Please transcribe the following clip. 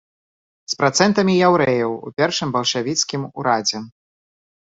З працэнтамі яўрэяў у першым бальшавіцкім урадзе.